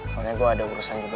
soalnya gue ada urusan juga